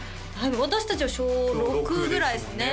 私達は小６ぐらいですね